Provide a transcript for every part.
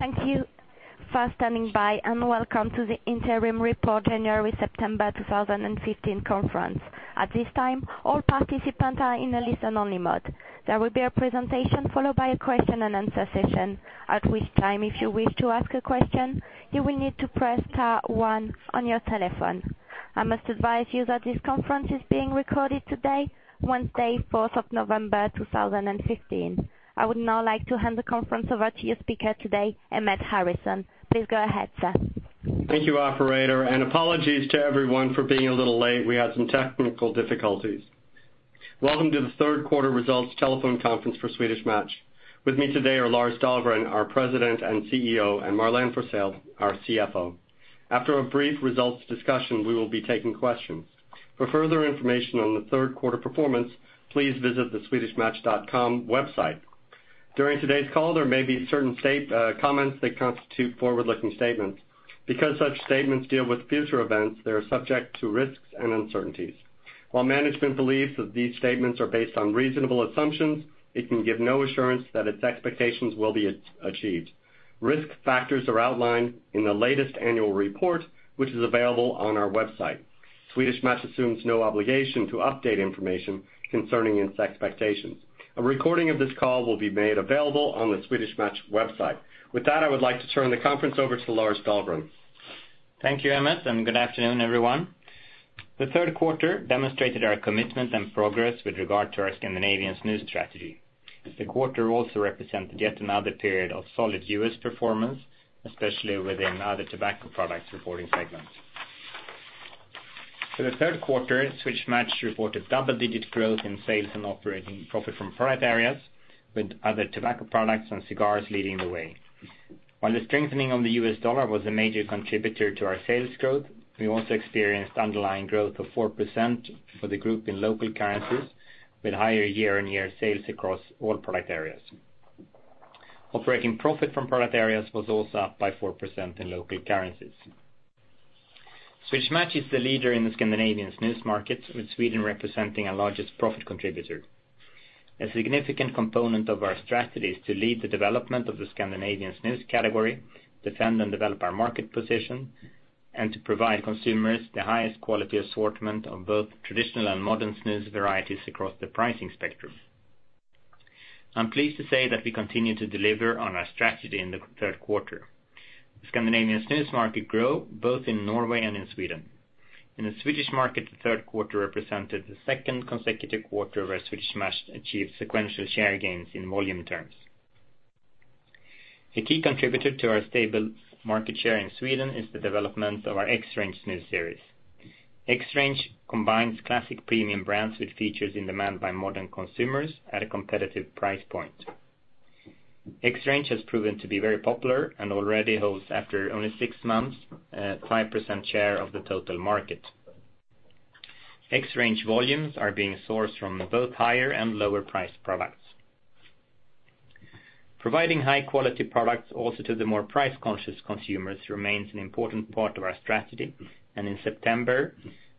Thank you for standing by. Welcome to the interim report January-September 2015 conference. At this time, all participants are in a listen-only mode. There will be a presentation followed by a question and answer session. At which time, if you wish to ask a question, you will need to press star one on your telephone. I must advise you that this conference is being recorded today, Wednesday, 4th of November 2015. I would now like to hand the conference over to your speaker today, Emmett Harrison. Please go ahead, sir. Thank you, operator. Apologies to everyone for being a little late. We had some technical difficulties. Welcome to the third quarter results telephone conference for Swedish Match. With me today are Lars Dahlgren, our President and CEO, and Marlene Forssell, our CFO. After a brief results discussion, we will be taking questions. For further information on the third quarter performance, please visit the swedishmatch.com website. During today's call, there may be certain comments that constitute forward-looking statements. Such statements deal with future events, they are subject to risks and uncertainties. While management believes that these statements are based on reasonable assumptions, it can give no assurance that its expectations will be achieved. Risk factors are outlined in the latest annual report, which is available on our website. Swedish Match assumes no obligation to update information concerning its expectations. A recording of this call will be made available on the Swedish Match website. With that, I would like to turn the conference over to Lars Dahlgren. Thank you, Emmett. Good afternoon, everyone. The third quarter demonstrated our commitment and progress with regard to our Scandinavian snus strategy. The quarter also represented yet another period of solid U.S. performance, especially within other tobacco products reporting segments. For the third quarter, Swedish Match reported double-digit growth in sales and operating profit from product areas with other tobacco products and cigars leading the way. While the strengthening of the U.S. dollar was a major contributor to our sales growth, we also experienced underlying growth of 4% for the group in local currencies, with higher year-on-year sales across all product areas. Operating profit from product areas was also up by 4% in local currencies. Swedish Match is the leader in the Scandinavian snus market, with Sweden representing our largest profit contributor. A significant component of our strategy is to lead the development of the Scandinavian snus category, defend and develop our market position, and to provide consumers the highest quality assortment of both traditional and modern snus varieties across the pricing spectrum. I'm pleased to say that we continue to deliver on our strategy in the third quarter. The Scandinavian snus market grew both in Norway and in Sweden. In the Swedish market, the third quarter represented the second consecutive quarter where Swedish Match achieved sequential share gains in volume terms. A key contributor to our stable market share in Sweden is the development of our XRANGE snus series. XRANGE combines classic premium brands with features in demand by modern consumers at a competitive price point. XRANGE has proven to be very popular and already holds, after only six months, 5% share of the total market. XRANGE volumes are being sourced from both higher and lower priced products. Providing high-quality products also to the more price-conscious consumers remains an important part of our strategy. In September,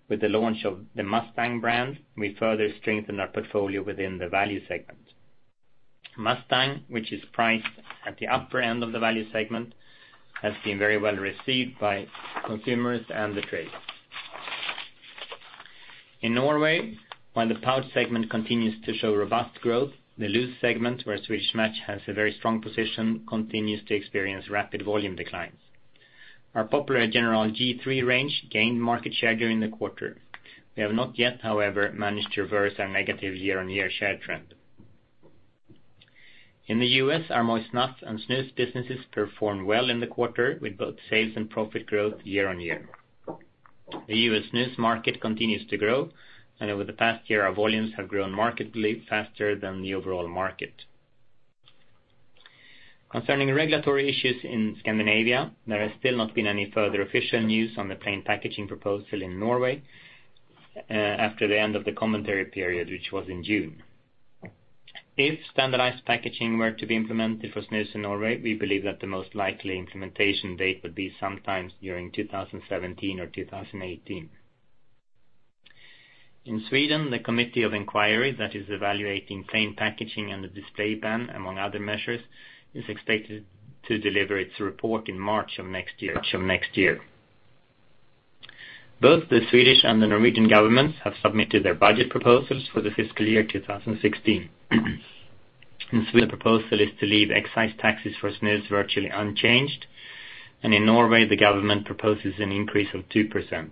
with the launch of the Mustang brand, we further strengthened our portfolio within the value segment. Mustang, which is priced at the upper end of the value segment, has been very well received by consumers and the trade. In Norway, while the pouch segment continues to show robust growth, the loose segment, where Swedish Match has a very strong position, continues to experience rapid volume declines. Our popular General G.3 range gained market share during the quarter. We have not yet, however, managed to reverse our negative year-on-year share trend. In the U.S., our moist snuff and snus businesses performed well in the quarter, with both sales and profit growth year-on-year. The U.S. snus market continues to grow. Over the past year, our volumes have grown markedly faster than the overall market. Concerning regulatory issues in Scandinavia, there has still not been any further official news on the plain packaging proposal in Norway after the end of the commentary period, which was in June. If standardized packaging were to be implemented for snus in Norway, we believe that the most likely implementation date would be sometime during 2017 or 2018. In Sweden, the Committee of Inquiry that is evaluating plain packaging and the display ban, among other measures, is expected to deliver its report in March of next year. Both the Swedish and the Norwegian governments have submitted their budget proposals for the fiscal year 2016. In Sweden, the proposal is to leave excise taxes for snus virtually unchanged. In Norway, the government proposes an increase of 2%.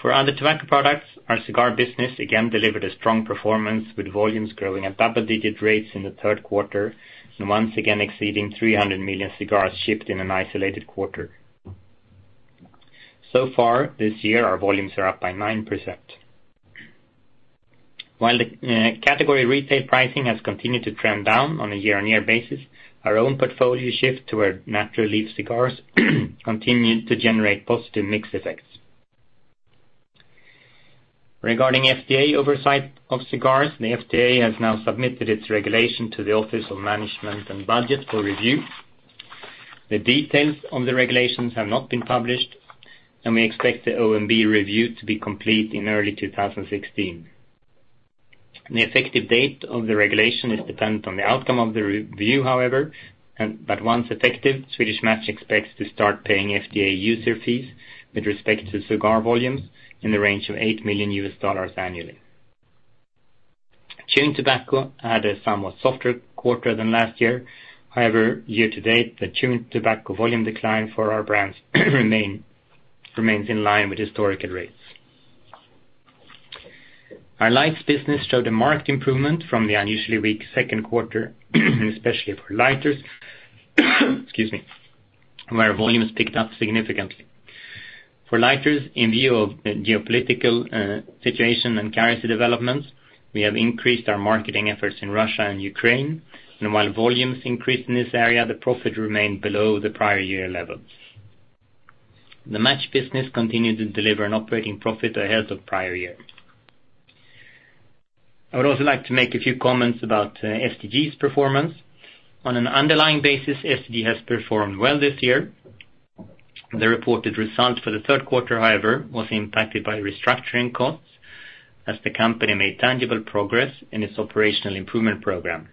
For other tobacco products, our cigar business again delivered a strong performance, with volumes growing at double-digit rates in the third quarter and once again exceeding 300 million cigars shipped in an isolated quarter. So far this year, our volumes are up by 9%. While the category retail pricing has continued to trend down on a year-on-year basis, our own portfolio shift toward natural leaf cigars continued to generate positive mix effects. Regarding FDA oversight of cigars, the FDA has now submitted its regulation to the Office of Management and Budget for review. The details on the regulations have not been published, and we expect the OMB review to be complete in early 2016. The effective date of the regulation is dependent on the outcome of the review, however. Once effective, Swedish Match expects to start paying FDA user fees with respect to cigar volumes in the range of $8 million annually. Chewed tobacco had a somewhat softer quarter than last year. However, year-to-date, the chewed tobacco volume decline for our brands remains in line with historical rates. Our lights business showed a marked improvement from the unusually weak second quarter, especially for lighters where volumes picked up significantly. For lighters, in view of the geopolitical situation and currency developments, we have increased our marketing efforts in Russia and Ukraine. While volumes increased in this area, the profit remained below the prior year levels. The match business continued to deliver an operating profit ahead of prior year. I would also like to make a few comments about STG's performance. On an underlying basis, STG has performed well this year. The reported result for the third quarter, however, was impacted by restructuring costs as the company made tangible progress in its operational improvement program.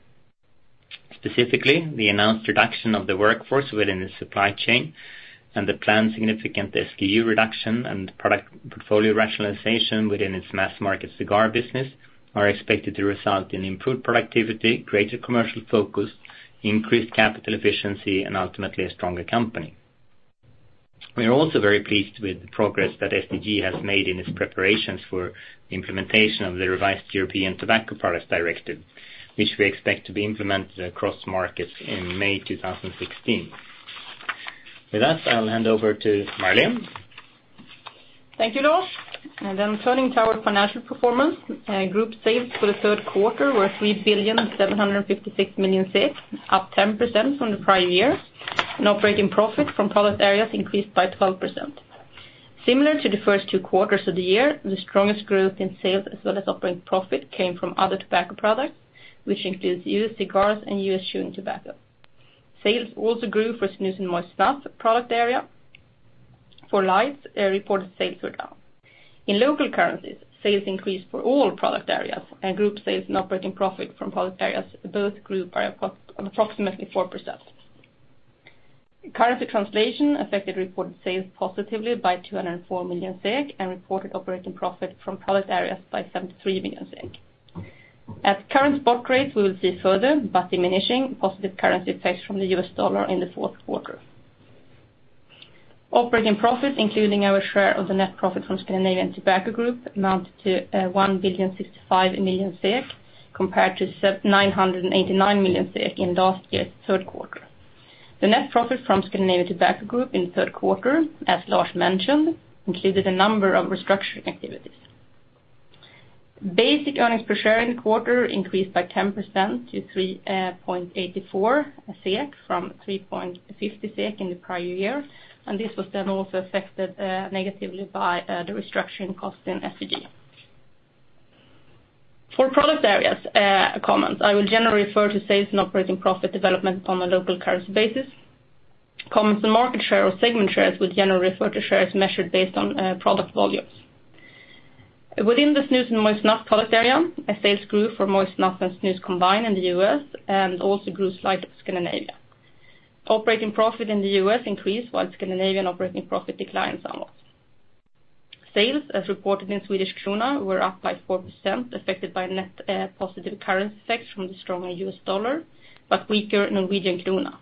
Specifically, we announced reduction of the workforce within the supply chain and the planned significant SKU reduction and product portfolio rationalization within its mass market cigar business are expected to result in improved productivity, greater commercial focus, increased capital efficiency, and ultimately a stronger company. We are also very pleased with the progress that STG has made in its preparations for implementation of the revised European Tobacco Products Directive, which we expect to be implemented across markets in May 2016. With that, I'll hand over to Marlene Forssell. Thank you, Lars. Turning to our financial performance. Group sales for the third quarter were 3,756,000,000, up 10% from the prior year, and operating profit from product areas increased by 12%. Similar to the first two quarters of the year, the strongest growth in sales as well as operating profit came from other tobacco products, which includes U.S. cigars and U.S. chewed tobacco. Sales also grew for snus and moist snuff product area. For lights, reported sales were down. In local currencies, sales increased for all product areas and group sales and operating profit from product areas both grew by approximately 4%. Currency translation affected reported sales positively by 204 million SEK and reported operating profit from product areas by 73 million SEK. At current spot rates, we will see further, but diminishing positive currency effects from the U.S. dollar in the fourth quarter. Operating profit, including our share of the net profit from Scandinavian Tobacco Group, amounted to 1,065,000,000 SEK compared to 989,000,000 SEK in last year's third quarter. The net profit from Scandinavian Tobacco Group in the third quarter, as Lars mentioned, included a number of restructuring activities. Basic earnings per share in the quarter increased by 10% to 3.84 SEK from 3.50 SEK in the prior year, and this was then also affected negatively by the restructuring cost in STG. For product areas comments, I will generally refer to sales and operating profit development on a local currency basis. Comments on market share or segment shares will generally refer to shares measured based on product volumes. Within the snus and moist snuff product area, as sales grew for moist snuff and snus combined in the U.S. and also grew slight in Scandinavia. Operating profit in the U.S. increased, while Scandinavian operating profit declined somewhat. Sales, as reported in Swedish krona, were up by 4%, affected by net positive currency effects from the stronger U.S. dollar, but weaker Norwegian krona.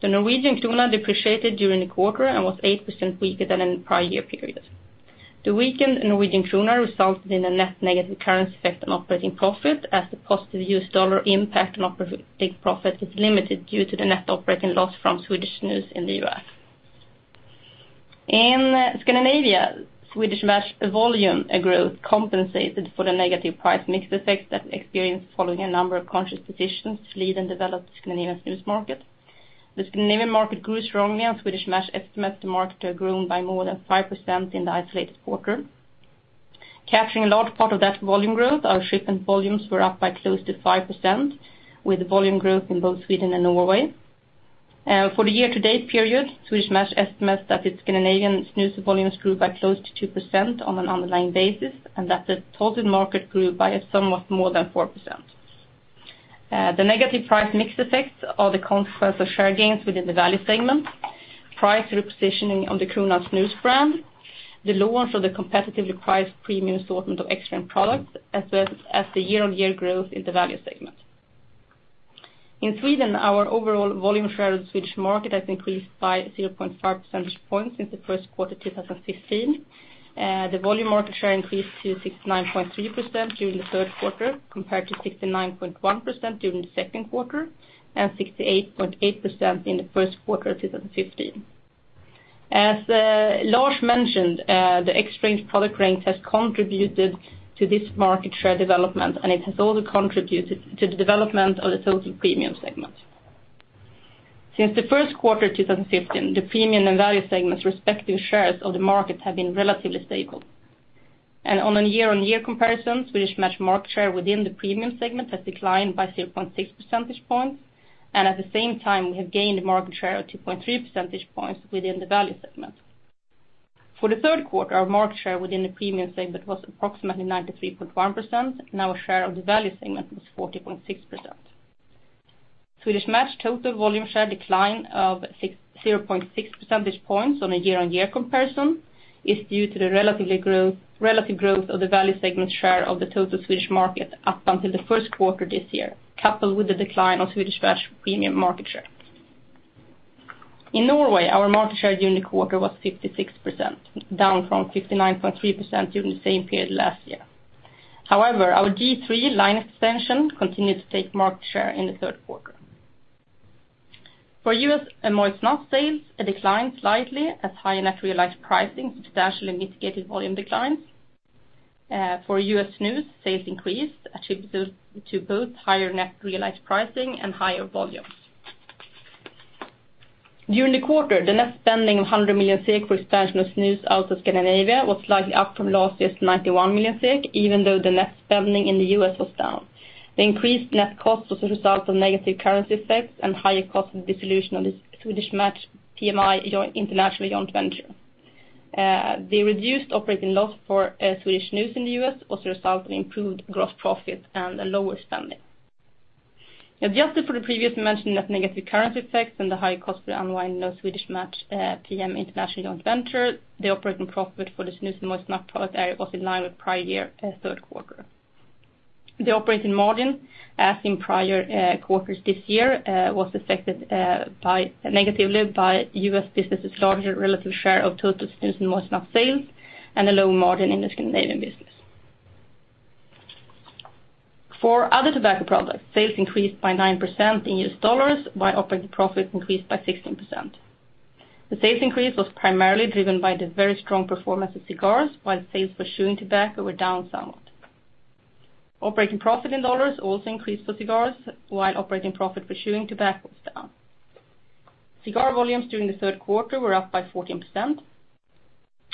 The Norwegian krona depreciated during the quarter and was 8% weaker than in the prior year period. The weakened Norwegian krona resulted in a net negative currency effect on operating profit as the positive U.S. dollar impact on operating profit is limited due to the net operating loss from Swedish snus in the U.S. In Scandinavia, Swedish Match volume growth compensated for the negative price mix effect that we experienced following a number of conscious positions to lead and develop the Scandinavian snus market. The Scandinavian market grew strongly, and Swedish Match estimates the market to have grown by more than 5% in the isolated quarter. Capturing a large part of that volume growth, our shipment volumes were up by close to 5%, with volume growth in both Sweden and Norway. For the year-to-date period, Swedish Match estimates that its Scandinavian snus volumes grew by close to 2% on an underlying basis, and that the total market grew by a somewhat more than 4%. The negative price mix effects are the consequence of share gains within the value segment. Price repositioning on the Kronan snus brand, the launch of the competitively priced premium assortment of XRANGE products, as well as the year-on-year growth in the value segment. In Sweden, our overall volume share of the Swedish market has increased by 0.5 percentage points since the first quarter of 2015. The volume market share increased to 69.3% during the third quarter compared to 69.1% during the second quarter and 68.8% in the first quarter of 2015. As Lars mentioned, the XRANGE product range has contributed to this market share development, and it has also contributed to the development of the total premium segment. Since the first quarter of 2015, the premium and value segments' respective shares of the market have been relatively stable. On a year-on-year comparison, Swedish Match market share within the premium segment has declined by 0.6 percentage points, and at the same time we have gained market share of 2.3 percentage points within the value segment. For the third quarter, our market share within the premium segment was approximately 93.1%, and our share of the value segment was 40.6%. Swedish Match total volume share decline of 0.6 percentage points on a year-on-year comparison is due to the relative growth of the value segment share of the total Swedish market up until the first quarter this year, coupled with the decline of Swedish Match premium market share. In Norway, our market share during the quarter was 56%, down from 59.3% during the same period last year. However, our G.3 line extension continued to take market share in the third quarter. For U.S. moist snuff sales, it declined slightly as higher net realized pricing substantially mitigated volume declines. For U.S. snus, sales increased attributable to both higher net realized pricing and higher volumes. During the quarter, the net spending of 100 million SEK for expansion of snus out of Scandinavia was slightly up from last year's 91 million SEK, even though the net spending in the U.S. was down. The increased net cost was a result of negative currency effects and higher cost of dissolution of the Swedish Match PMI International joint venture. The reduced operating loss for Swedish snus in the U.S. was a result of improved gross profit and a lower spending. Adjusted for the previously mentioned net negative currency effects and the higher cost to unwind the Swedish Match PMI International joint venture, the operating profit for the snus and moist snuff product area was in line with prior year third quarter. The operating margin, as in prior quarters this year, was affected negatively by U.S. business's larger relative share of total snus and moist snuff sales and a low margin in the Scandinavian business. For other tobacco products, sales increased by 9% in U.S. dollars, while operating profit increased by 16%. The sales increase was primarily driven by the very strong performance of cigars, while sales for chewing tobacco were down somewhat. Operating profit in $ also increased for cigars, while operating profit for chewing tobacco was down. Cigar volumes during the third quarter were up by 14%,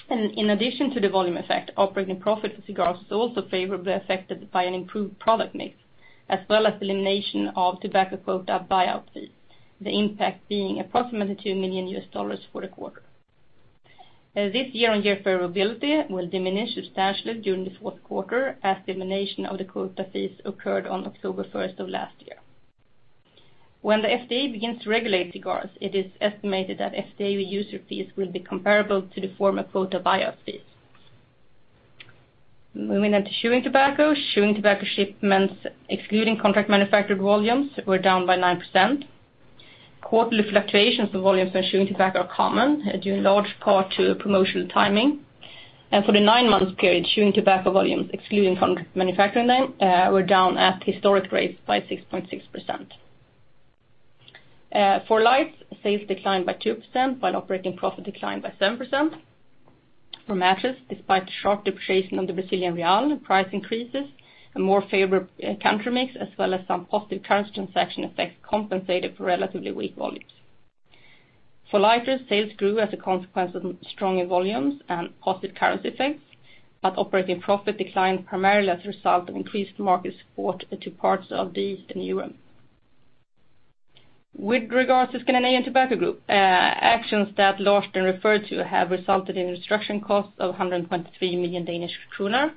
and in addition to the volume effect, operating profit for cigars was also favorably affected by an improved product mix, as well as elimination of Tobacco Quota Buyout fees, the impact being approximately $2 million U.S. for the quarter. This year-over-year variability will diminish substantially during the fourth quarter as elimination of the quota fees occurred on October 1st of last year. When the FDA begins to regulate cigars, it is estimated that FDA user fees will be comparable to the former quota buyout fees. Moving on to chewing tobacco. Chewing tobacco shipments, excluding contract manufactured volumes, were down by 9%. Quarterly fluctuations for volumes for chewing tobacco are common, due in large part to promotional timing. For the nine-month period, chewing tobacco volumes, excluding contract manufacturing, were down at historic rates by 6.6%. For lights, sales declined by 2%, while operating profit declined by 7%. For matches, despite the sharp depreciation of the Brazilian real, price increases, a more favorable country mix, as well as some positive currency transaction effects compensated for relatively weak volumes. For lighters, sales grew as a consequence of stronger volumes and positive currency effects, but operating profit declined primarily as a result of increased market support to parts of the EU. With regards to Scandinavian Tobacco Group, actions that Torsten referred to have resulted in restructuring costs of 123 million Danish kroner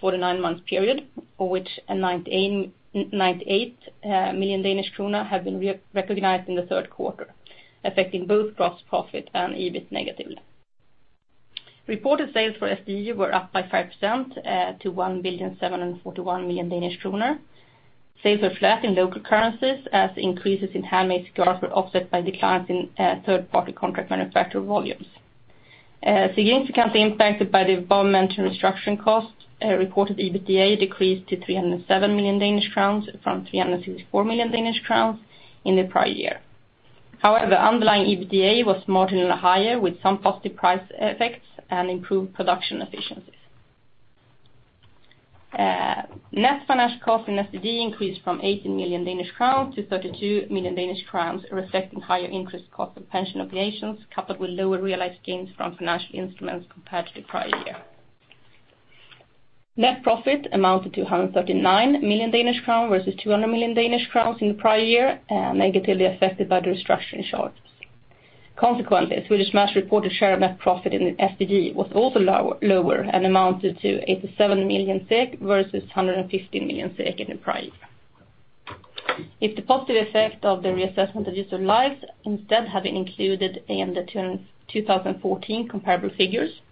for the nine-month period, of which 98 million Danish kroner have been recognized in the third quarter, affecting both gross profit and EBIT negatively. Reported sales for STG were up by 5% to 1,741 million Danish kroner. Sales were flat in local currencies as increases in handmade cigars were offset by declines in third-party contract manufacturer volumes. Significantly impacted by the abovementioned restructuring costs, reported EBITDA decreased to 307 million Danish crowns from 364 million Danish crowns in the prior year. However, underlying EBITDA was marginally higher with some positive price effects and improved production efficiencies. Net financial costs in STG increased from 18 million Danish crowns to 32 million Danish crowns, reflecting higher interest cost of pension obligations, coupled with lower realized gains from financial instruments compared to the prior year. Net profit amounted to 139 million Danish crown versus 200 million Danish crowns in the prior year, negatively affected by the restructuring charges. Consequently, Swedish Match reported share of net profit in STG was also lower and amounted to 87 million SEK versus 115 million SEK in the prior year. If the positive effect of the reassessment of useful lives instead had been included in the 2014 comparable figures,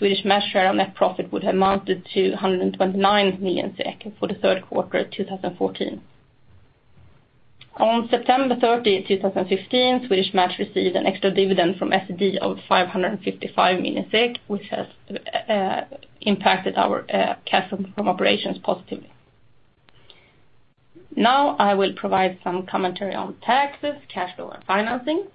Swedish Match share of net profit would have amounted to 129 million for the third quarter 2014. On September 30, 2015, Swedish Match received an extra dividend from STG of 555 million SEK, which has impacted our cash from operations positively. I will provide some commentary on taxes, cash flow, and financing.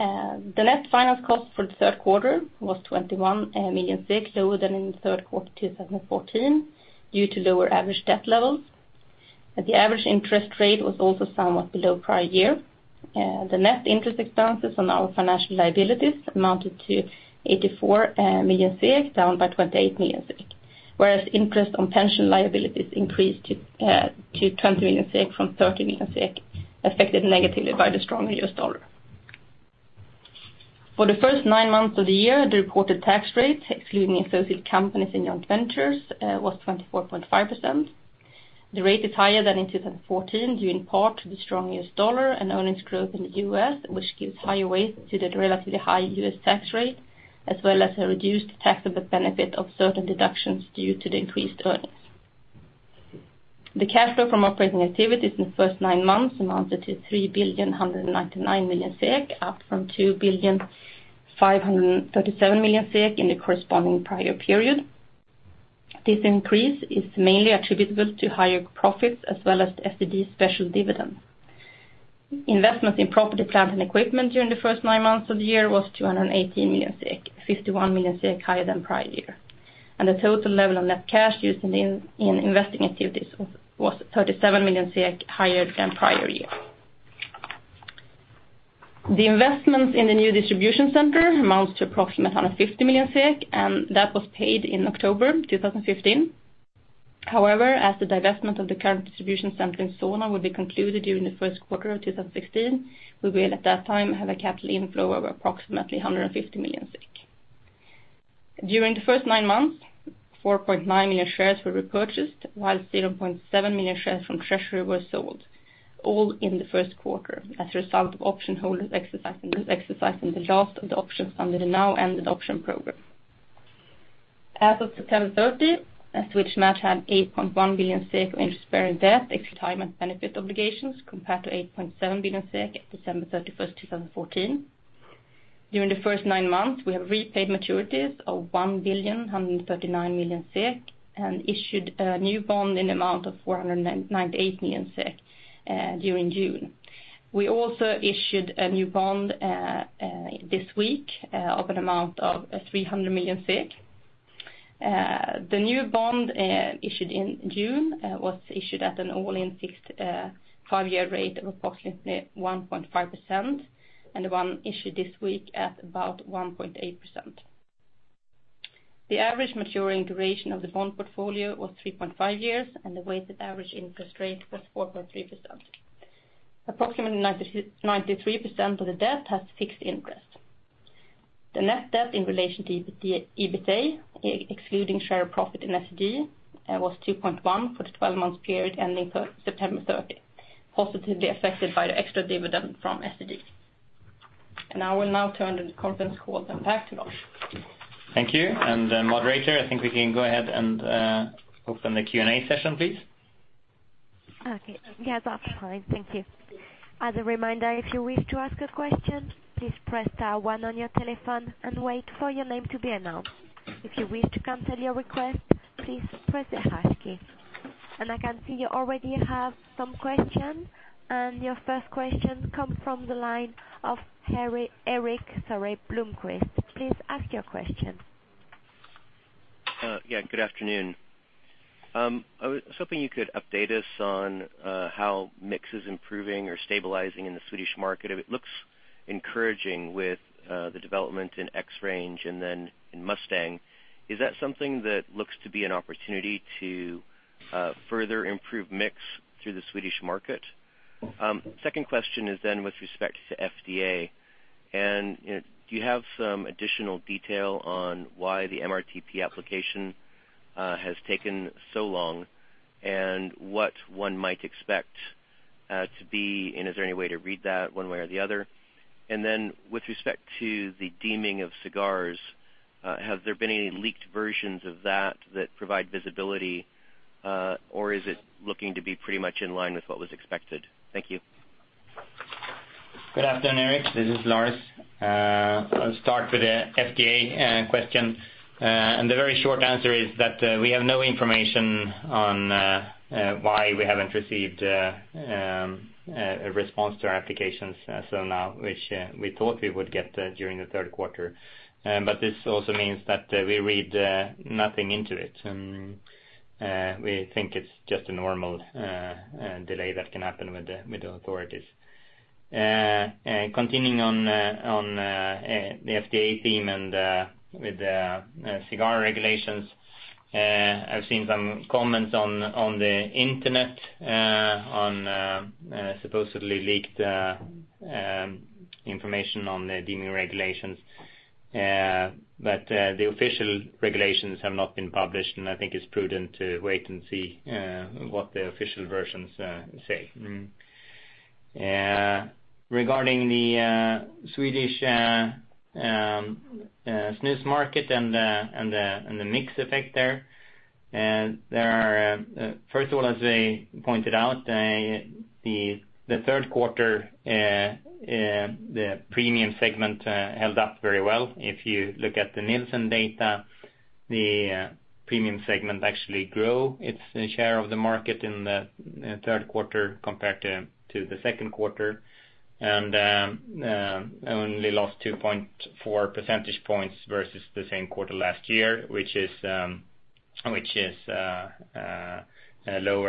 The net finance cost for the third quarter was 21 million SEK lower than in the third quarter 2014 due to lower average debt levels. The average interest rate was also somewhat below prior year. The net interest expenses on our financial liabilities amounted to 84 million, down by 28 million. Whereas interest on pension liabilities increased to 20 million from 30 million, affected negatively by the strong U.S. dollar. For the first nine months of the year, the reported tax rate, excluding associated companies in joint ventures, was 24.5%. The rate is higher than in 2014 due in part to the strong U.S. dollar and earnings growth in the U.S., which gives higher weight to the relatively high U.S. tax rate, as well as a reduced taxable benefit of certain deductions due to the increased earnings. The cash flow from operating activities in the first nine months amounted to 3,199 million SEK, up from 2,537 million SEK in the corresponding prior period. This increase is mainly attributable to higher profits as well as STG special dividend. Investments in property, plant, and equipment during the first nine months of the year was 218 million, 51 million higher than prior year. The total level of net cash used in investing activities was 37 million higher than prior year. The investment in the new distribution center amounts to approximately 150 million, that was paid in October 2015. However, as the divestment of the current distribution center in Solna will be concluded during the first quarter of 2016, we will at that time have a capital inflow of approximately 150 million. During the first nine months, 4.9 million shares were repurchased, while 0.7 million shares from Treasury were sold, all in the first quarter as a result of option holders exercising the last of the options under the now ended option program. As of September 30, Swedish Match had 8.1 billion SEK in pension and benefit obligations compared to 8.7 billion SEK at December 31st, 2014. During the first nine months, we have repaid maturities of 1,139 million SEK and issued a new bond in the amount of 498 million SEK during June. We also issued a new bond this week of an amount of 300 million. The new bond issued in June was issued at an all-in fixed five-year rate of approximately 1.5%, and the one issued this week at about 1.8%. The average maturing duration of the bond portfolio was 3.5 years, and the weighted average interest rate was 4.3%. Approximately 93% of the debt has fixed interest. The net debt in relation to EBITDA, excluding share profit in STG, was 2.1 for the 12-month period ending September 30, positively affected by the extra dividend from STG. I will now turn the conference call back to Lars. Thank you. Moderator, I think we can go ahead and open the Q&A session, please. Okay. Yes, that's fine. Thank you. As a reminder, if you wish to ask a question, please press star one on your telephone and wait for your name to be announced. If you wish to cancel your request, please press the hash key. I can see you already have some questions. Your first question comes from the line of Erik Bloomquist. Please ask your question. Yeah, good afternoon. I was hoping you could update us on how mix is improving or stabilizing in the Swedish market. It looks encouraging with the development in XRANGE and then in Mustang. Is that something that looks to be an opportunity to further improve mix through the Swedish market? Second question is then with respect to FDA. Do you have some additional detail on why the MRTP application has taken so long and what one might expect to be, is there any way to read that one way or the other? With respect to the deeming of cigars, have there been any leaked versions of that that provide visibility, or is it looking to be pretty much in line with what was expected? Thank you. Good afternoon, Erik. This is Lars. I'll start with the FDA question. The very short answer is that we have no information on why we haven't received a response to our applications so now, which we thought we would get during the third quarter. This also means that we read nothing into it, and we think it's just a normal delay that can happen with the authorities. Continuing on the FDA theme and with the cigar regulations, I've seen some comments on the internet on supposedly leaked information on the deeming regulations, but the official regulations have not been published, and I think it's prudent to wait and see what the official versions say. Regarding the Swedish snus market and the mix effect there, first of all, as I pointed out, the third quarter, the premium segment held up very well. If you look at the Nielsen data, the premium segment actually grew its share of the market in the third quarter compared to the second quarter and only lost 2.4 percentage points versus the same quarter last year, which is lower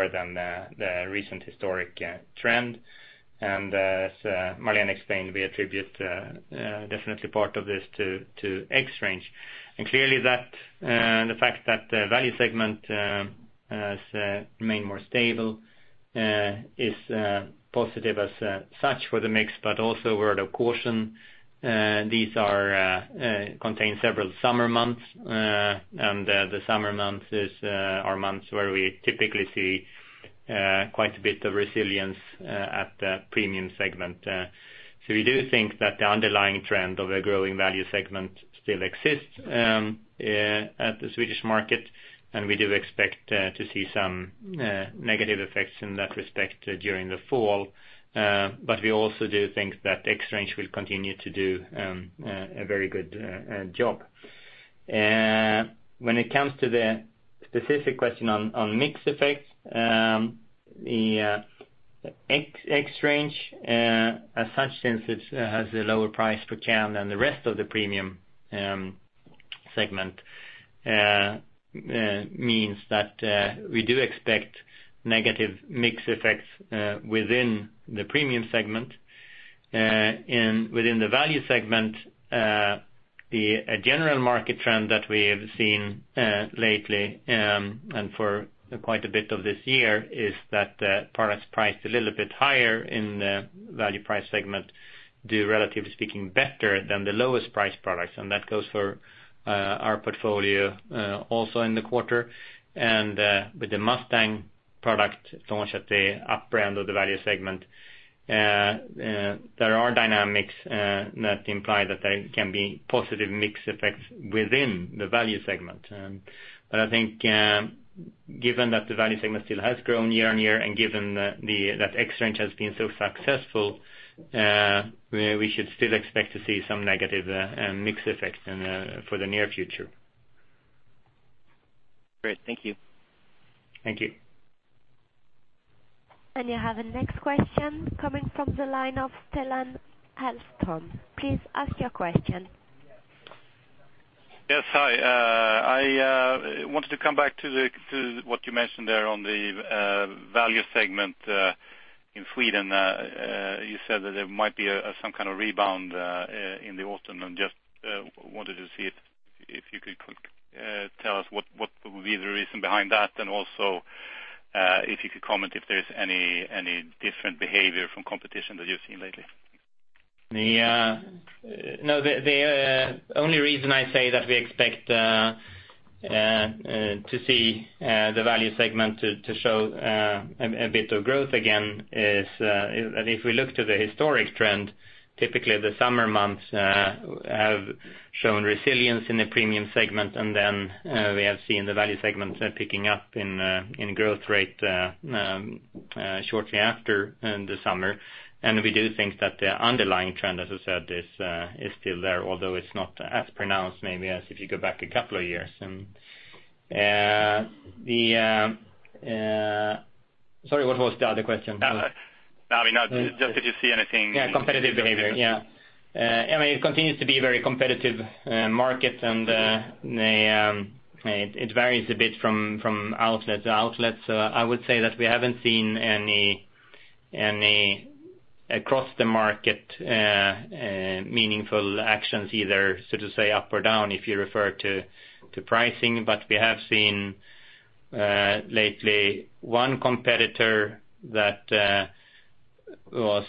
than the recent historic trend. As Marlene explained, we attribute definitely part of this to XRANGE. Clearly the fact that the value segment has remained more stable is positive as such for the mix, but also word of caution, these contain several summer months, and the summer months are months where we typically see quite a bit of resilience at the premium segment. We do think that the underlying trend of a growing value segment still exists at the Swedish market, and we do expect to see some negative effects in that respect during the fall. We also do think that XRANGE will continue to do a very good job. When it comes to the specific question on mix effects, the XRANGE as such, since it has a lower price per can than the rest of the premium segment, means that we do expect negative mix effects within the premium segment. Within the value segment, a general market trend that we have seen lately, and for quite a bit of this year, is that products priced a little bit higher in the value price segment, do relatively speaking better than the lowest priced products, and that goes for our portfolio also in the quarter. With the Mustang product launched at the upper end of the value segment, there are dynamics that imply that there can be positive mix effects within the value segment. I think, given that the value segment still has grown year-over-year, and given that XRANGE has been so successful, we should still expect to see some negative mix effects for the near future. Great. Thank you. Thank you. You have the next question coming from the line of Fredrik Hellström. Please ask your question. Yes. Hi. I wanted to come back to what you mentioned there on the value segment in Sweden. You said that there might be some kind of rebound in the autumn, and just wanted to see if you could tell us what would be the reason behind that, and also if you could comment if there's any different behavior from competition that you've seen lately. The only reason I say that we expect to see the value segment to show a bit of growth again, is that if we look to the historic trend, typically the summer months have shown resilience in the premium segment. We do think that the underlying trend, as I said, is still there, although it's not as pronounced maybe as if you go back a couple of years. Sorry, what was the other question? No, just did you see anything- Competitive behavior. It continues to be a very competitive market. It varies a bit from outlet to outlet. I would say that we haven't seen any across the market meaningful actions either, so to say, up or down if you refer to pricing. We have seen lately one competitor that was,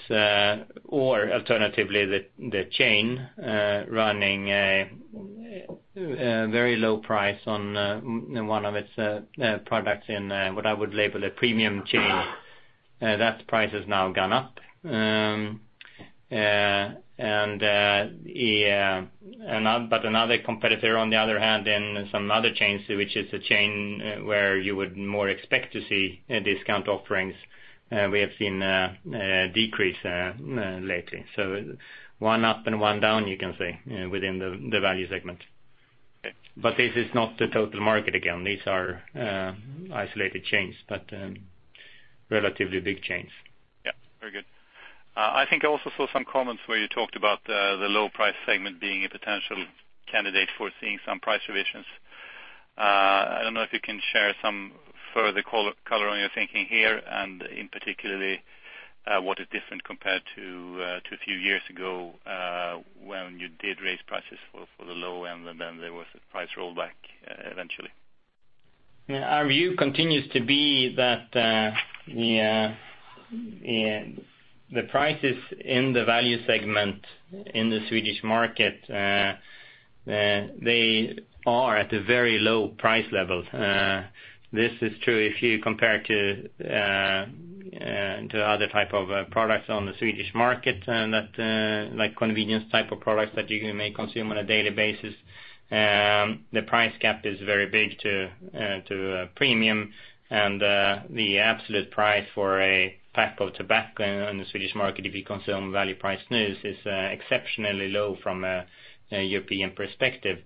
or alternatively, the chain running a very low price on one of its products in what I would label a premium chain. That price has now gone up. Another competitor, on the other hand, in some other chains, which is a chain where you would more expect to see discount offerings, we have seen a decrease lately. One up and one down, you can say, within the value segment. Okay. This is not the total market again. These are isolated chains, relatively big chains. Yeah. Very good. I think I also saw some comments where you talked about the low price segment being a potential candidate for seeing some price revisions. I don't know if you can share some further color on your thinking here, and in particular, what is different compared to a few years ago, when you did raise prices for the low end, and then there was a price rollback eventually. Yeah. Our view continues to be that the prices in the value segment in the Swedish market, they are at a very low price level. This is true if you compare to other type of products on the Swedish market, like convenience type of products that you may consume on a daily basis. The price gap is very big to premium, and the absolute price for a pack of tobacco on the Swedish market, if you consume value priced snus, is exceptionally low from a European perspective.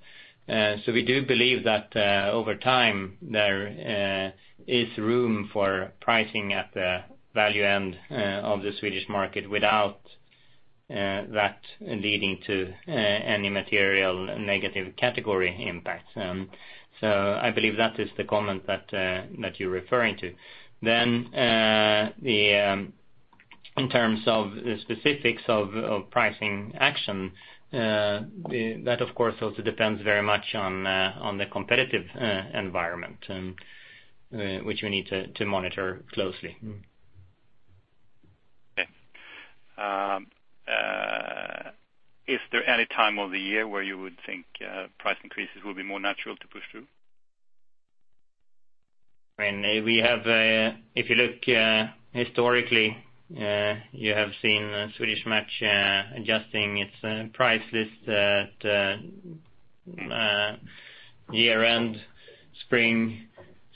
We do believe that over time there is room for pricing at the value end of the Swedish market without that leading to any material negative category impacts. I believe that is the comment that you're referring to. In terms of the specifics of pricing action, that of course also depends very much on the competitive environment, which we need to monitor closely. Okay. Is there any time of the year where you would think price increases will be more natural to push through? If you look historically, you have seen Swedish Match adjusting its price list at year-end, spring,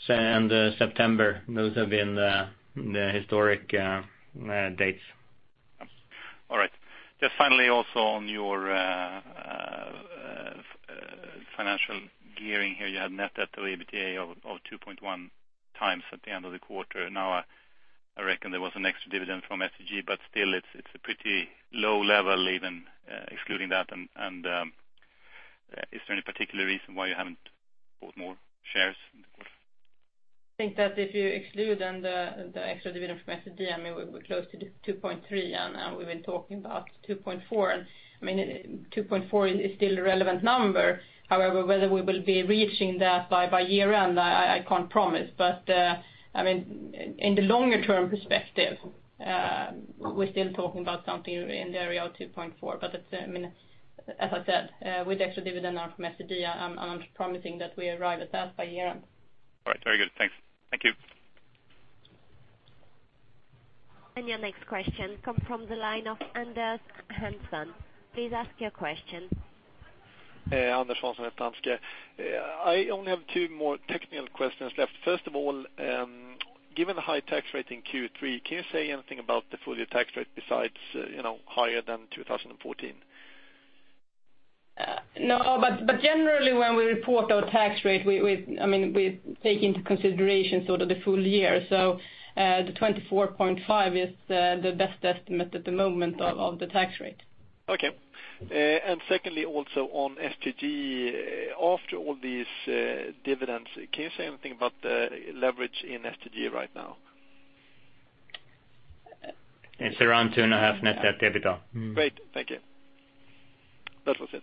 and September. Those have been the historic dates. All right. Just finally also on your financial gearing here, you had net debt to EBITDA of 2.1 times at the end of the quarter. Now, I reckon there was an extra dividend from STG, but still it's a pretty low level even excluding that. Is there any particular reason why you haven't bought more shares in the quarter? I think that if you exclude the extra dividend from STG, we're close to the 2.3 and now we've been talking about 2.4. 2.4 is still a relevant number. However, whether we will be reaching that by year-end, I can't promise. In the longer-term perspective, we're still talking about something in the area of 2.4. As I said, with the extra dividend now from STG, I'm promising that we arrive at that by year-end. All right. Very good. Thanks. Thank you. Your next question come from the line of Anders Hansson. Please ask your question. Anders Hansson at Danske. I only have two more technical questions left. First of all, given the high tax rate in Q3, can you say anything about the full year tax rate besides higher than 2014? No, generally when we report our tax rate, we take into consideration sort of the full year. The 24.5 is the best estimate at the moment of the tax rate. Okay. Secondly, also on STG. After all these dividends, can you say anything about the leverage in STG right now? It's around 2.5 net debt to EBITDA. Great. Thank you. That was it.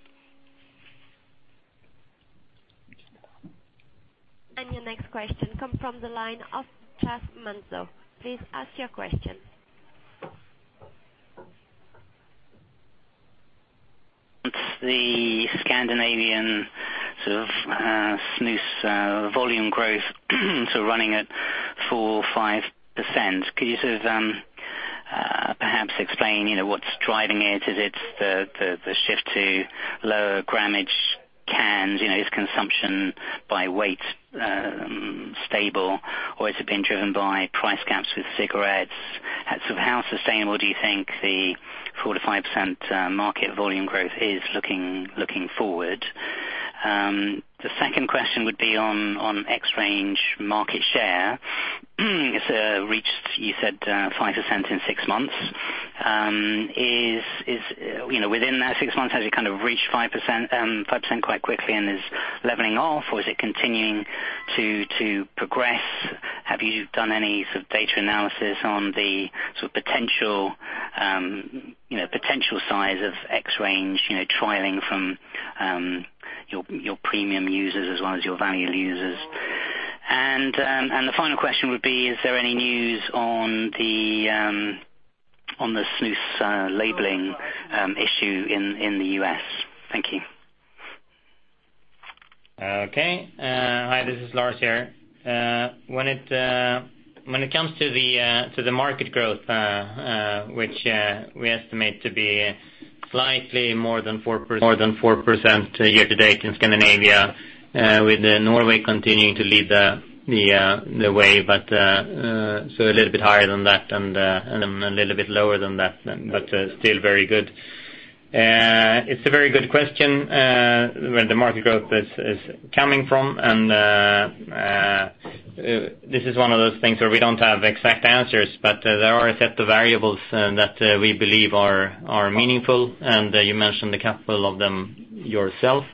Your next question come from the line of [Charles Manzo]. Please ask your question. The Scandinavian snus volume growth running at 4%-5%. Could you perhaps explain what's driving it? Is it the shift to lower grammage cans? Is consumption by weight stable or has it been driven by price gaps with cigarettes? How sustainable do you think the 4%-5% market volume growth is looking forward? The second question would be on XRANGE market share. It's reached, you said, 5% in six months. Within that six months, has it reached 5% quite quickly and is leveling off or is it continuing to progress? Have you done any data analysis on the potential size of XRANGE trialing from your premium users as well as your value users? The final question would be, is there any news on the snus labeling issue in the U.S.? Thank you. Okay. Hi, this is Lars here. When it comes to the market growth, which we estimate to be slightly more than 4% year to date in Scandinavia, with Norway continuing to lead the way, a little bit higher than that and a little bit lower than that, but still very good. It's a very good question, where the market growth is coming from and this is one of those things where we don't have exact answers, but there are a set of variables that we believe are meaningful, and you mentioned a couple of them yourself.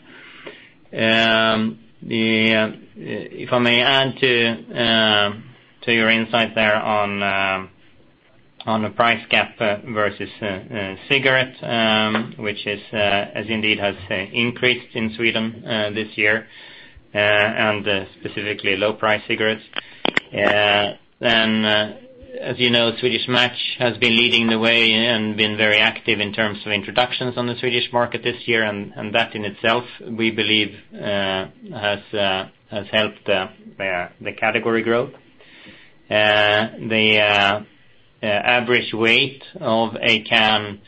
If I may add to your insight there on the price gap versus cigarettes, which indeed has increased in Sweden this year, and specifically low-price cigarettes. As you know, Swedish Match has been leading the way and been very active in terms of introductions on the Swedish market this year, and that in itself, we believe, has helped the category growth. The average weight of a can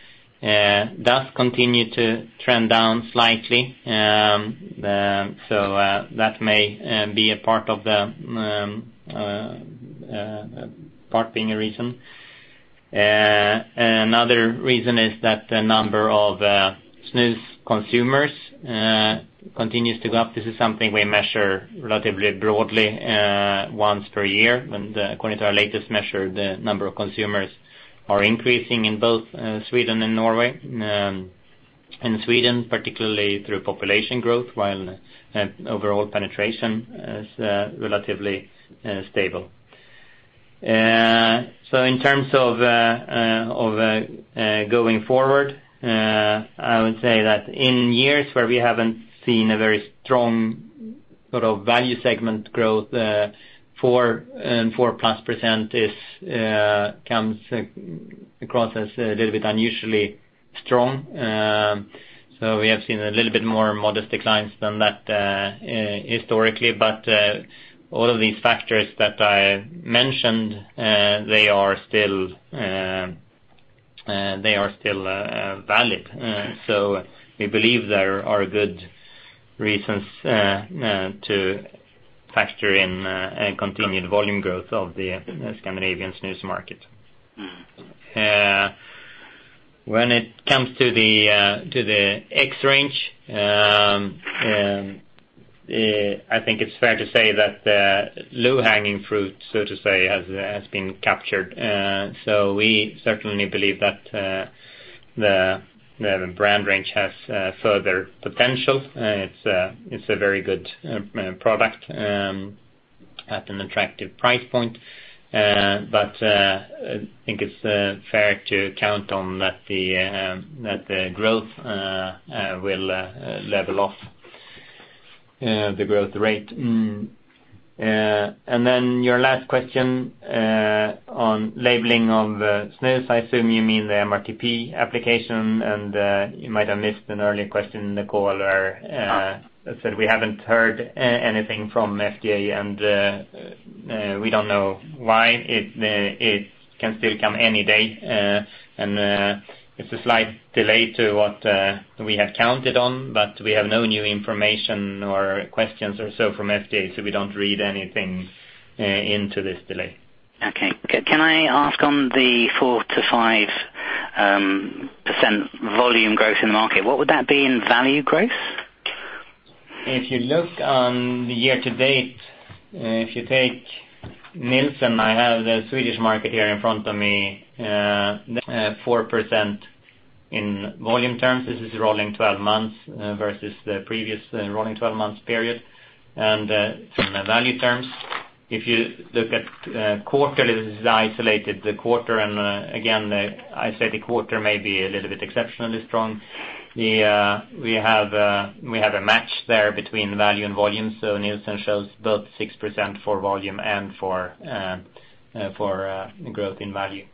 does continue to trend down slightly. That may be a part being a reason. Another reason is that the number of snus consumers continues to go up. This is something we measure relatively broadly, once per year. According to our latest measure, the number of consumers are increasing in both Sweden and Norway. In Sweden, particularly through population growth, while overall penetration is relatively stable. In terms of going forward, I would say that in years where we haven't seen a very strong value segment growth, 4% plus comes across as a little bit unusually strong. We have seen a little bit more modest declines than that historically. All of these factors that I mentioned, they are still valid. We believe there are good reasons to factor in a continued volume growth of the Scandinavian snus market. When it comes to the XRANGE, I think it's fair to say that the low-hanging fruit, so to say, has been captured. We certainly believe that the brand range has further potential. It's a very good product at an attractive price point. I think it's fair to count on that the growth will level off the growth rate. Your last question on labeling of snus, I assume you mean the MRTP application, and you might have missed an earlier question in the call, or I said we haven't heard anything from FDA, and we don't know why. It can still come any day, and it's a slight delay to what we have counted on, but we have no new information or questions or so from FDA, so we don't read anything into this delay. Okay. Can I ask on the 4%-5% volume growth in the market, what would that be in value growth? If you look on the year to date, if you take Nielsen, I have the Swedish market here in front of me, 4% in volume terms. This is rolling 12 months versus the previous rolling 12 months period. In value terms, if you look at quarter, this is isolated the quarter, and again, I say the quarter may be a little bit exceptionally strong. We have a match there between value and volume, so Nielsen shows both 6% for volume and for growth in value.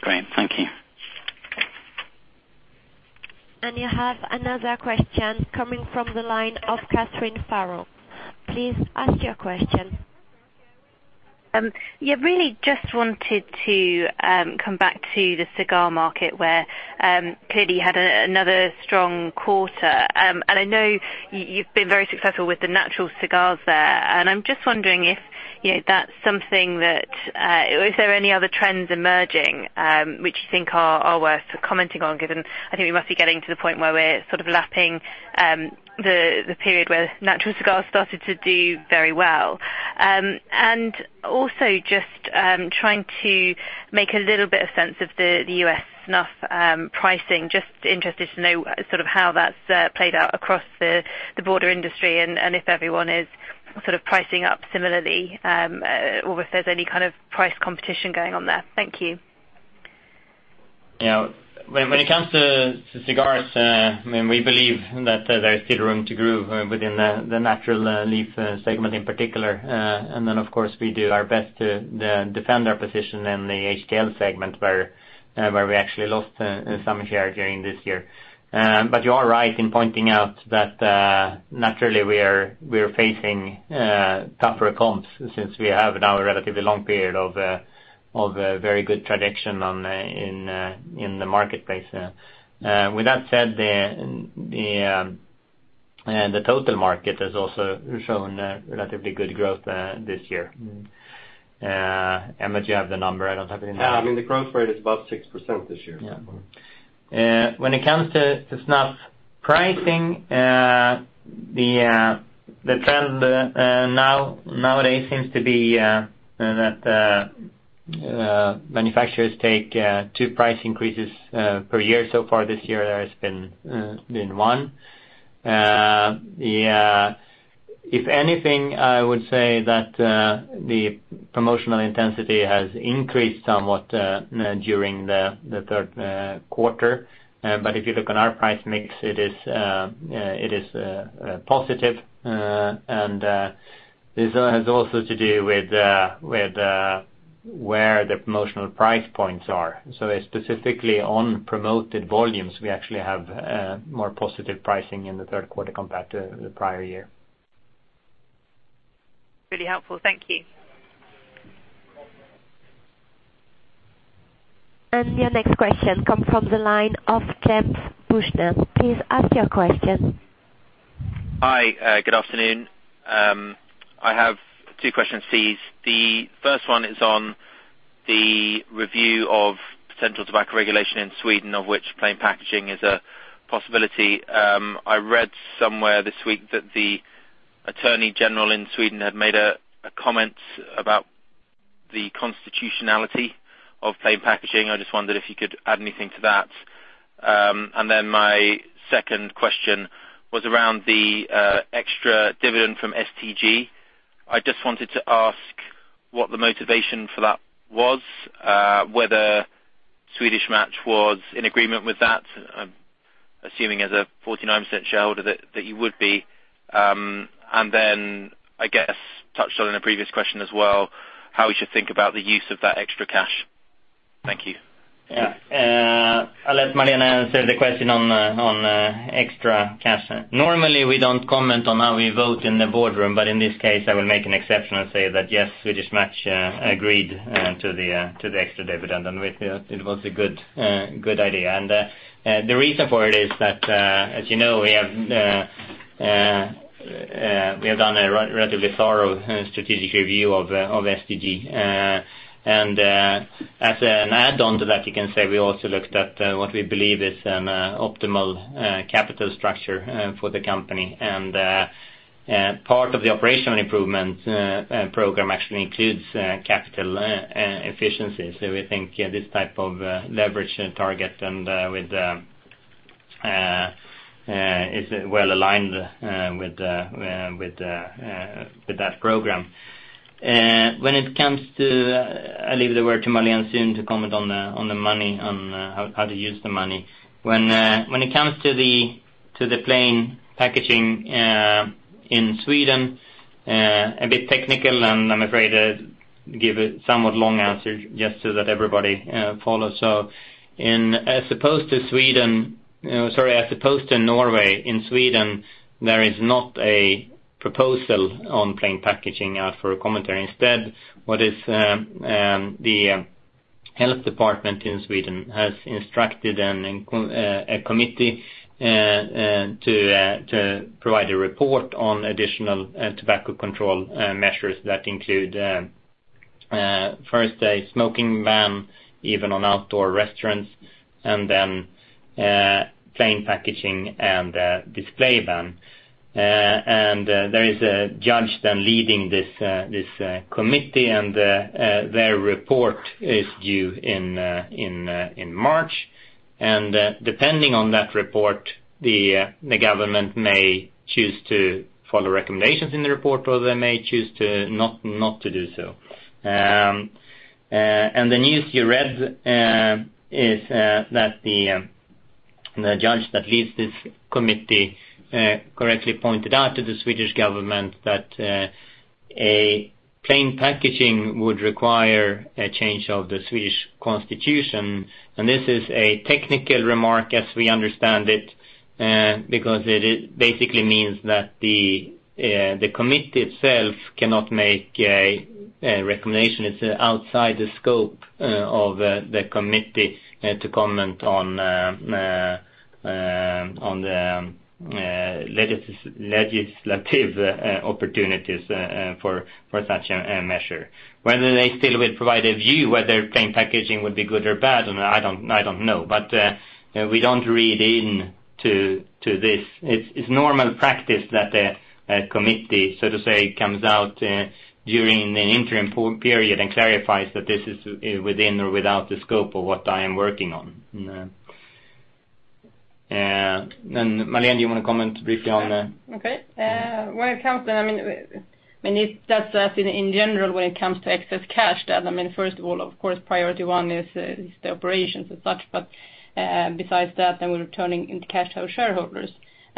Great. Thank you. You have another question coming from the line of [Catherine Farrell]. Please ask your question. Yeah, really just wanted to come back to the cigar market where clearly you had another strong quarter. I know you've been very successful with the natural cigars there, and I'm just wondering if that's something. Is there any other trends emerging, which you think are worth commenting on, given I think we must be getting to the point where we're sort of lapping the period where natural cigars started to do very well. Also just trying to make a little bit of sense of the U.S. snuff pricing. Just interested to know how that's played out across the broader industry and if everyone is pricing up similarly, or if there's any kind of price competition going on there. Thank you. When it comes to cigars, we believe that there's still room to grow within the natural leaf segment in particular. Then, of course, we do our best to defend our position in the HTL segment, where we actually lost some share during this year. You are right in pointing out that naturally we are facing tougher comps since we have now a relatively long period of very good tradition in the marketplace. With that said, the total market has also shown relatively good growth this year. Emmett, do you have the number? I don't have it in- The growth rate is about 6% this year. Yeah. When it comes to snuff pricing, the trend nowadays seems to be that manufacturers take two price increases per year. So far this year, there has been one. If anything, I would say that the promotional intensity has increased somewhat during the third quarter. If you look on our price mix, it is positive. This has also to do with where the promotional price points are. Specifically on promoted volumes, we actually have more positive pricing in the third quarter compared to the prior year. Really helpful. Thank you. Your next question comes from the line of [Clint Bushnell]. Please ask your question. Hi. Good afternoon. I have two questions, please. The first one is on The review of potential tobacco regulation in Sweden, of which plain packaging is a possibility. I read somewhere this week that the Attorney General in Sweden had made a comment about the constitutionality of plain packaging. I just wondered if you could add anything to that. My second question was around the extra dividend from STG. I just wanted to ask what the motivation for that was, whether Swedish Match was in agreement with that. I'm assuming as a 49% shareholder that you would be. I guess, touched on in a previous question as well, how we should think about the use of that extra cash. Thank you. Yeah. I'll let Marlene Forssell answer the question on extra cash. Normally, we don't comment on how we vote in the boardroom, but in this case, I will make an exception and say that yes, Swedish Match agreed to the extra dividend, and it was a good idea. The reason for it is that, as you know, we have done a relatively thorough strategic review of STG. As an add-on to that, you can say we also looked at what we believe is an optimal capital structure for the company. Part of the operational improvement program actually includes capital efficiency. We think this type of leverage target is well-aligned with that program. I'll leave the word to Marlene Forssell soon to comment on how to use the money. When it comes to the plain packaging in Sweden, a bit technical, I'm afraid I'll give a somewhat long answer just so that everybody follows. As opposed to Norway, in Sweden, there is not a proposal on plain packaging for a commentary. Instead, what is the Public Health Agency of Sweden has instructed a Committee of Inquiry to provide a report on additional tobacco control measures that include, first, a smoking ban, even on outdoor restaurants, then plain packaging and a display ban. There is a judge then leading this Committee of Inquiry, their report is due in March. Depending on that report, the government may choose to follow recommendations in the report, or they may choose not to do so. The news you read is that the judge that leads this Committee of Inquiry correctly pointed out to the Swedish government that a plain packaging would require a change of the Swedish Constitution. This is a technical remark as we understand it, because it basically means that the Committee of Inquiry itself cannot make a recommendation. It's outside the scope of the Committee of Inquiry to comment on the legislative opportunities for such a measure. Whether they still will provide a view whether plain packaging would be good or bad, I don't know. We don't read into this. It's normal practice that a Committee of Inquiry, so to say, comes out during an interim period and clarifies that this is within or without the scope of what I am working on. Marlene Forssell, do you want to comment briefly on that? Okay. In general, when it comes to excess cash, first of all, of course, priority one is the operations and such. Besides that, then we're returning into cash to our shareholders.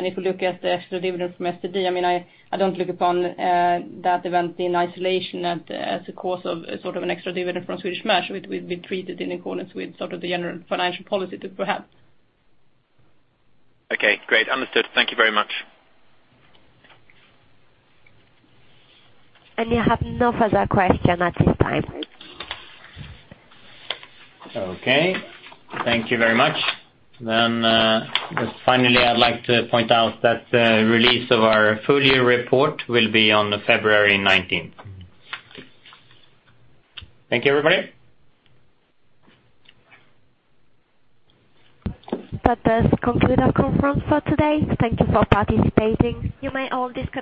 If you look at the extra dividend from STG, I don't look upon that event in isolation as a course of an extra dividend from Swedish Match, which we've treated in accordance with sort of the general financial policy to perhaps. Okay, great. Understood. Thank you very much. I have no further question at this time. Okay. Thank you very much. Just finally, I'd like to point out that the release of our full-year report will be on February 19th. Thank you, everybody. That does conclude our conference for today. Thank you for participating. You may all disconnect.